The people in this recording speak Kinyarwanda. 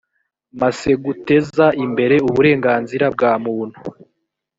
masseguteza imbere uburenganzira bwa muntu